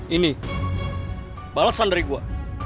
ini balasan dari gua